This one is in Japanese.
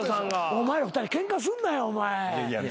お前ら２人ケンカすんなよお前。